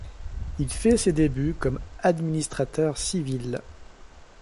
Il fait ses débuts comme administrateur civil.